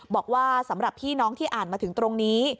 บอกว่าสำหรับพี่น้องที่อ่านมาถึงตรงนี้